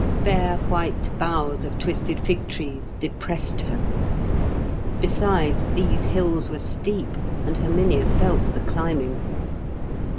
Bare white boughs of twisted fig trees depressed her. Besides, these hills were steep, and Herminia felt the climbing.